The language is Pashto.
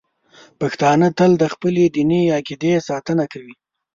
پښتانه تل د خپلې دیني عقیدې ساتنه کوي.